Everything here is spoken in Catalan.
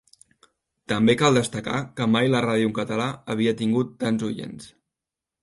També cal destacar que mai la ràdio en català havia tingut tants oients.